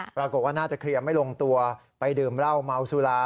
ปรากฏว่าน่าจะเคลียร์ไม่ลงตัวไปดื่มเหล้าเมาสุรา